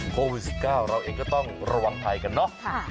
โปรฟิตสิบเก้าเราเองก็ต้องระวังภายกันเนอะ